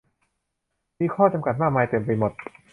มีข้อจำกัดมากมายเต็มไปหมด